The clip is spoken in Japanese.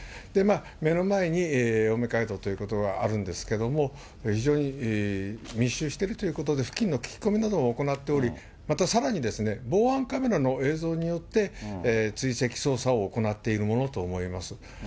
目の前に青梅街道ということがあるんですけれども、非常に密集してるということで、付近の聞き込みなどを行っており、またさらに防犯カメラの映像によって追跡捜査を行っているものと思います。